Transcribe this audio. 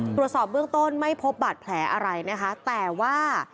โปรดสอบเรื่องต้นไม่พบบัตรแผลอะไรนะคะแต่ว่า